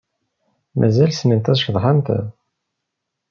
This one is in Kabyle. Mazal ssnent ad ceḍḥent?